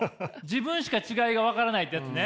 自分しか違いが分からないってやつね。